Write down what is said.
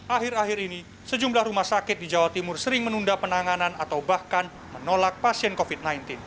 akhir akhir ini sejumlah rumah sakit di jawa timur sering menunda penanganan atau bahkan menolak pasien covid sembilan belas